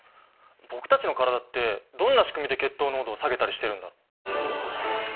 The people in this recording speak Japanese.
僕たちの体ってどんな仕組みで血糖濃度を下げたりしてるんだろう？